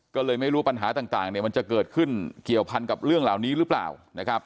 ก็เลยไม่รู้ปัญหาต่างเนี่ยมันจะเกิดขึ้นเกี่ยวพันกับเรื่องเหล่านี้หรือเปล่านะครับ